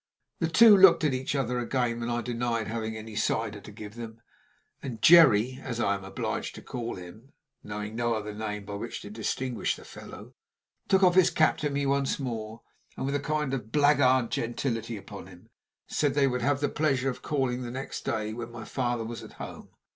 The two looked at each other again when I denied having any cider to give them; and Jerry (as I am obliged to call him, knowing no other name by which to distinguish the fellow) took off his cap to me once more, and, with a kind of blackguard gentility upon him, said they would have the pleasure of calling the next day, when my father was at home.